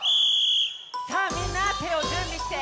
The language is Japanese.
さあみんなてをじゅんびして！